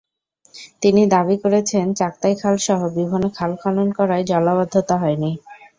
তিনি দাবি করেছেন, চাক্তাই খালসহ বিভিন্ন খাল খনন করায় জলাবদ্ধতা হয়নি।